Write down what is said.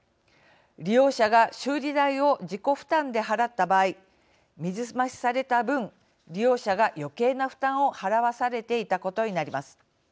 利用者が修理代を自己負担で払った場合水増しされた分利用者が余計な負担を払わされていたことになります。